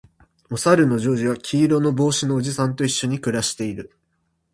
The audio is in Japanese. おさるのジョージは黄色の帽子のおじさんと一緒に暮らしている